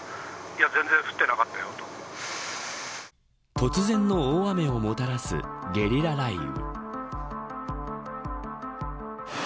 突然の大雨をもたらすゲリラ雷雨。